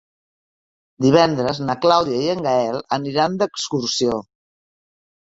Divendres na Clàudia i en Gaël aniran d'excursió.